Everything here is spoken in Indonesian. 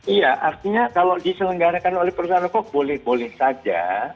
iya artinya kalau diselenggarakan oleh perusahaan rokok boleh boleh saja